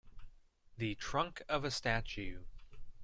The trunk of a statue.